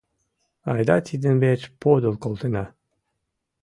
Айда тидын верч подыл колтена.